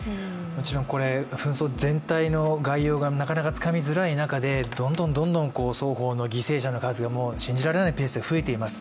紛争全体の概要がなかなかつかみづらい中でどんどん双方の犠牲者の数が信じられないペースで増えています。